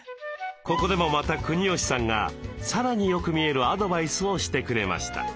ここでもまた国吉さんがさらによく見えるアドバイスをしてくれました。